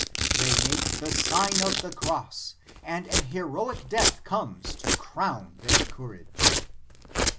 They make the Sign of the Cross, and an heroic death comes to crown their courao e.